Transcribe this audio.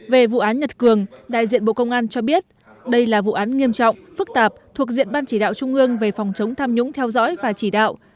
về vụ án nhật cường đại diện bộ công an cho biết đây là vụ án nghiêm trọng phức tạp thuộc diện ban chỉ đạo trung ương về phòng chống tham nhũng theo dõi và chỉ đạo